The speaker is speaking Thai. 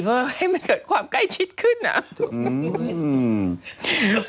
เออให้มันเกิดความใกล้ชิดขึ้นอ่ะ